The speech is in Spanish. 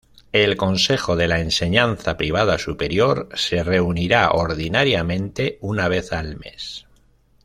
El Consejo de la Enseñanza Privada Superior se reunirá ordinariamente una vez al mes.